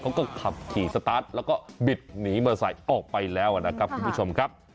เขาก็ขับขี่สตาร์ทแล้วก็บิดหนีมอเตอร์ไซค์ออกไปแล้วนะครับคุณผู้ชมครับ